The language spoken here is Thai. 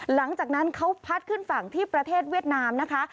หลังจากนั้นเขาพัดขึ้นฝั่งที่ประเทศเวียดนามนะคะ